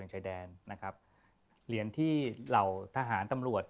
เหรียญที่เหล่าทหารตำรวจ